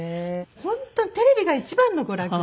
本当テレビが一番の娯楽で。